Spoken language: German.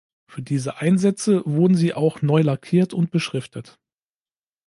Für diese Einsätze wurden sie auch neu lackiert und beschriftet.